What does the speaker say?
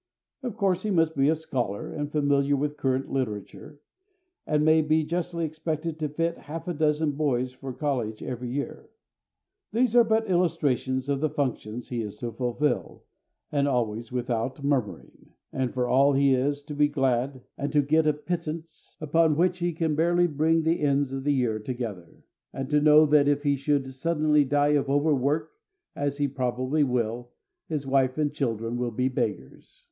Of course he must be a scholar, and familiar with current literature, and he may justly be expected to fit half a dozen boys for college every year. These are but illustrations of the functions he is to fulfil, and always without murmuring; and for all he is to be glad to get a pittance upon which he can barely bring the ends of the year together, and to know that if he should suddenly die of overwork, as he probably will, his wife and children will be beggars.